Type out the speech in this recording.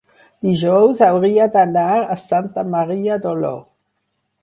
dijous hauria d'anar a Santa Maria d'Oló.